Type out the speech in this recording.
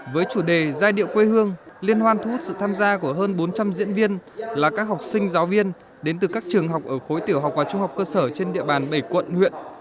với chủ đề giai điệu quê hương liên hoan thu hút sự tham gia của hơn bốn trăm linh diễn viên là các học sinh giáo viên đến từ các trường học ở khối tiểu học và trung học cơ sở trên địa bàn bảy quận huyện